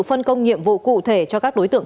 phân công nhiệm vụ cụ thể cho các đối tượng